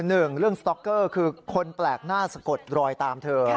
หนึ่งเรื่องสต๊อกเกอร์คือคนแปลกหน้าสะกดรอยตามเธอ